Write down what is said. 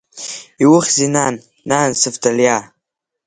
Иухьзеи, нан, нан, сы-Вталиа!